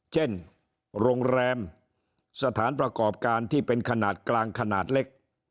เช่นโรงแรมสถานประกอบการที่เป็นขนาดกลางขนาดเล็ก